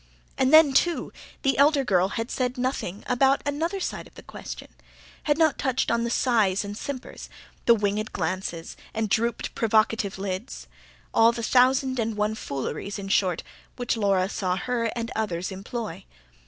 And then, too, the elder girl had said nothing about another side of the question, had not touched on the sighs and simpers, the winged glances, and drooped, provocative lids all the thousand and one fooleries, in short, which Laura saw her and others employ.